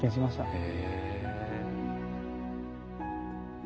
へえ。